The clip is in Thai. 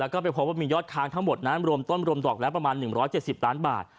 แล้วก็ไปพบว่ามียอดค้างทั้งหมดนั้นรวมต้นรวมดอกแล้วประมาณ๑๗๐ล้านบาท